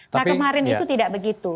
nah kemarin itu tidak begitu